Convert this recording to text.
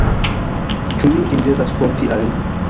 Ĉu mi ĝin devas porti al li?